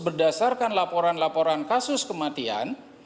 berdasarkan laporan laporan kasus kematian